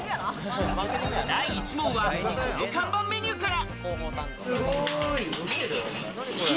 第１問はこの看板メニューから。